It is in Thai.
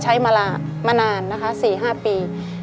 ใช้มานานนะคะ๔๕ปี